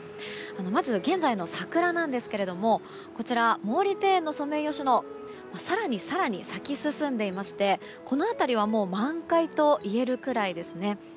まず、現在の桜なんですが毛利庭園のソメイヨシノは更に更に、咲き進んでいましてこの辺りはもう満開といえるくらいですね。